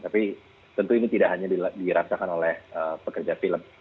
tapi tentu ini tidak hanya dirasakan oleh pekerja film